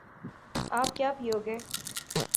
آپ کیا پیو گے